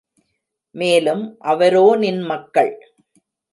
மேலும் அவரோ நின் மக்கள்.